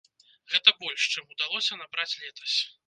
Гэта больш, чым удалося набраць летась.